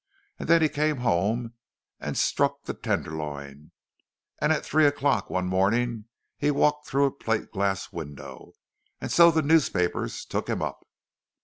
And then he came home and struck the Tenderloin; and at three o'clock one morning he walked through a plate glass window, and so the newspapers took him up.